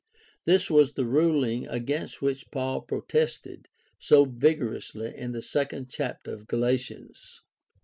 This was the ruling against which Paul protested so vigorously in the second chapter of Galatians.